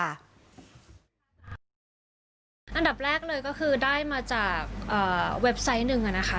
อันดับแรกเลยก็คือได้มาจากเว็บไซต์หนึ่งนะคะ